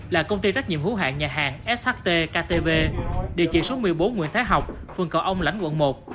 là công ty trách nhiệm hữu hạng nhà hàng sht ktv địa chỉ số một mươi bốn nguyễn thái học phường cầu ông lãnh quận một